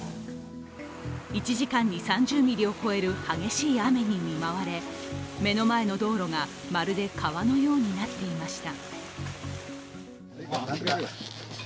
１時間に３０ミリを超える激しい雨に見舞われ、目の前の道路が、まるで川のようになっていました。